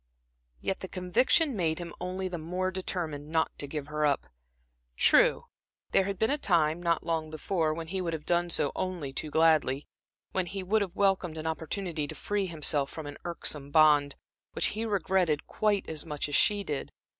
Yet the conviction made him only the more determined not to give her up. True, there had been a time, not long before, when he would have done so only too gladly; when he would have welcomed an opportunity to free himself from an irksome bond, which he regretted quite as much as she did.